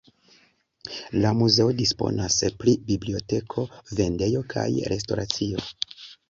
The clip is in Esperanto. La muzeo disponas pri biblioteko, vendejo kaj restoracio.